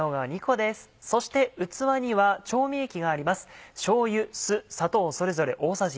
そして器には調味液があります。